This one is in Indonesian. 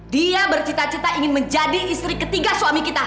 dia bercita cita ingin menjadi istri ketiga suami kita